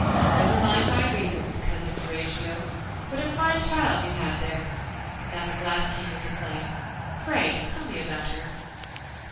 "Never mind my reasons, Cousin Horatio. What a fine child you have there;" now the glass came into play; "pray tell me all about her."